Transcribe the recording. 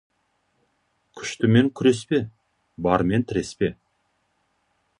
Күштімен күреспе, бармен тіреспе.